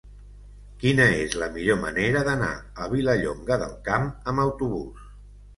Quina és la millor manera d'anar a Vilallonga del Camp amb autobús?